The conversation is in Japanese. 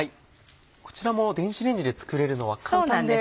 こちらも電子レンジで作れるのは簡単で。